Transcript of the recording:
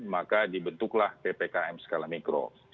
maka dibentuklah ppkm skala mikro